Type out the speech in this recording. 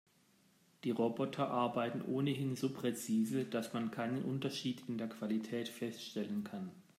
Die Roboter arbeiten ohnehin so präzise, dass man keinen Unterschied in der Qualität feststellen kann.